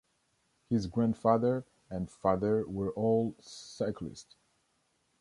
His grandfather and father were all cyclists.